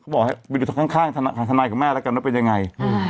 บอกว่าข้างทนายของแม่แล้วกันว่าเป็นยังไง